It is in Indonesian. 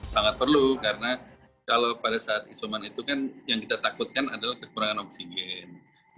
sangat perlu karena kalau pada saat isoman itu kan yang kita takutkan adalah kekurangan oksigen